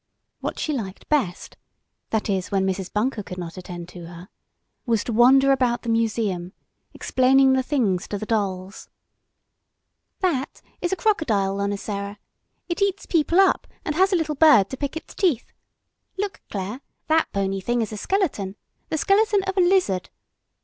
What she liked best that is, when Mrs. Bunker could not attend to her was to wander about the museum, explaining the things to the dolls: "That is a crocodile, Lonicera; it eats people up, and has a little bird to pick its teeth. Look, Clare, that bony thing is a skeleton the skeleton of a lizard.